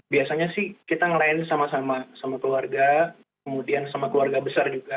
biasanya sih kita ngelayan sama sama sama keluarga kemudian sama keluarga besar juga